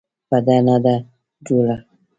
په ده نه ده جوړه.